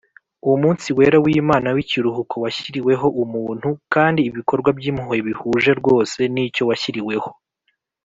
. Umunsi wera w’Imana w’ikiruhuko washyiriweho umuntu, kandi ibikorwa by’impuhwe bihuje rwose n’icyo washyiriweho.